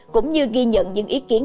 cũng như ghi nhận những ý kiến